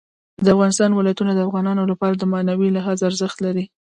د افغانستان ولايتونه د افغانانو لپاره په معنوي لحاظ ارزښت لري.